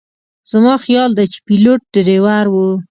زما خیال دی چې پیلوټ ډریور و.